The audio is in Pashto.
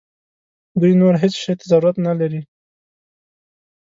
دوی نور هیڅ شي ته ضرورت نه لري.